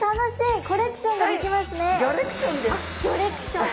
あっギョレクション。